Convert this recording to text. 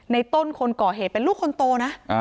ในต้นคนก่อเหตุเป็นลูกคนโตนะ